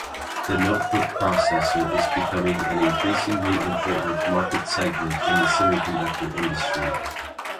The notebook processor is becoming an increasingly important market segment in the semiconductor industry.